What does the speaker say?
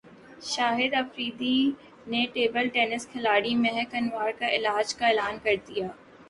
شاہد فریدی نے table tennis کھلاڑی مہک انور کے علاج کا اعلان کردیا